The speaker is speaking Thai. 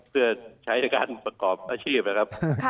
เพื่อใช้ในการประกอบอาชีพนะครับ